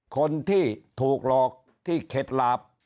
คนที่ถูกหลอกที่เข็ดหลาบ